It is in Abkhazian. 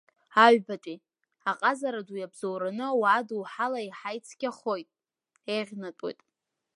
Аҩбатәи, аҟазара ду иабзоураны ауаа доуҳала еиҳа ицқьахоит, еиӷьнатәуеит…